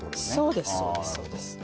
そうですそうです。